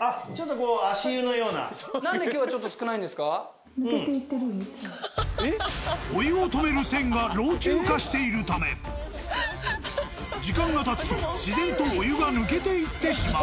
あっちょっとこうお湯を止める栓が老朽化しているため時間がたつと自然とお湯が抜けていってしまう。